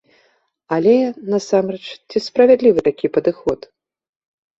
Але, насамрэч, ці справядлівы такі падыход?